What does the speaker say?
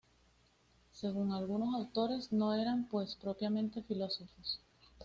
Según algunos autores, no eran, pues, propiamente filósofos.